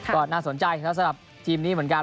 ก็น่าสนใจสำหรับทีมนี้เหมือนกัน